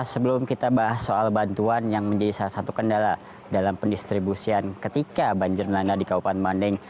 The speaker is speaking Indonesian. sebelum kita bahas soal bantuan yang menjadi salah satu kendala dalam pendistribusian ketika banjir melanda di kabupaten mandeng